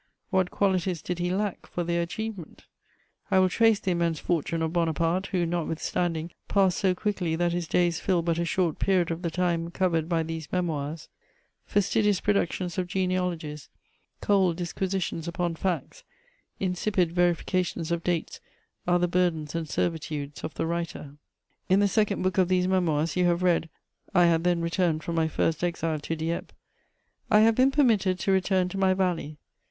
What qualities did he lack for their achievement? I will trace the immense fortune of Bonaparte, who, notwithstanding, passed so quickly that his days fill but a short period of the time covered by these Memoirs. Fastidious productions of genealogies, cold disquisitions upon facts, insipid verifications of dates are the burdens and servitudes of the writer. ........................... In the Second Book of these Memoirs you have read (I had then returned from my first exile to Dieppe): "I have been permitted to return to my valley.